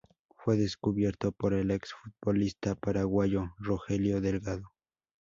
Fue descubierto por el ex futbolista paraguayo Rogelio Delgado.